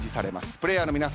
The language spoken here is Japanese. プレーヤーの皆さん